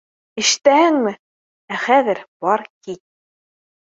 Ишетәһеңме? Ә хәҙер бар кит